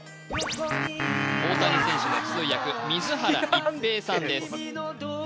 大谷選手の通訳水原一平さんです